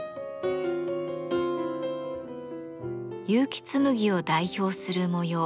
結城紬を代表する模様